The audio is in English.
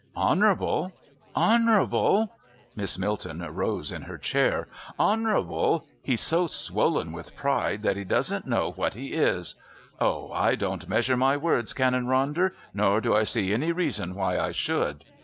"Honourable! Honourable!" Miss Milton rose in her chair. "Honourable! He's so swollen with pride that he doesn't know what he is. Oh! I don't measure my words. Canon Ronder, nor do I see any reason why I should.